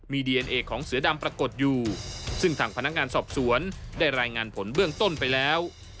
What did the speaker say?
มีดีเอนเอของเสือดำปรากฏอยู่ซึ่งทางพนักงานสอบสวนได้รายงานผลเบื้องต้นไปแล้ว